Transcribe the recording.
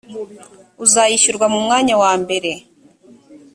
uzashyirwa mu mwanya wa mbere.